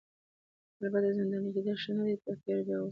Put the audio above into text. البته زنداني کیدل ښه نه دي په تېره بیا اوس.